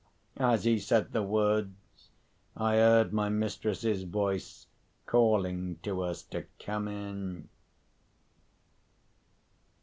As he said the words I heard my mistress's voice calling to us to come in.